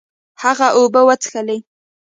هغه اوبه وڅښلې.